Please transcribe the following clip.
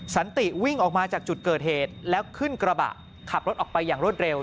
สันติวิ่งออกมาจากจุดเกิดเหตุแล้วขึ้นกระบะขับรถออกไปอย่างรวดเร็ว